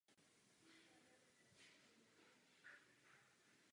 Místem úmrtí je však Vídeň.